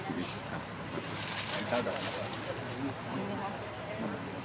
ขอบคุณครับ